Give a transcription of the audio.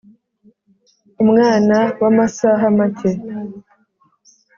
umwana w'amasaha make